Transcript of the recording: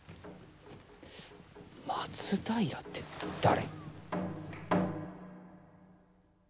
松平って誰？